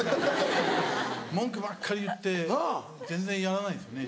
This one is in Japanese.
文句ばっかり言って全然やらないですね